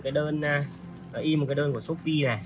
nó in một cái đơn của shopee này